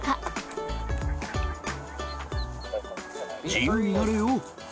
自由になれよ！